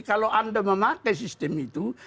kalau anda memakai sistem itu